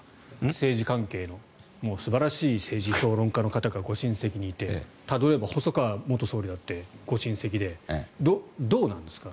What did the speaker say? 政治関係の素晴らしい政治評論家の方がご親戚にいて例えば、細川元総理だってご親戚でどうなんですか？